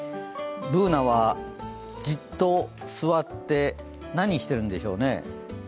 Ｂｏｏｎａはじっと座って何してるんでしょうね？